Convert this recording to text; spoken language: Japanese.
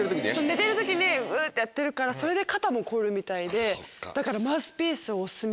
寝てる時にうってやってるからそれで肩もこるみたいでだから。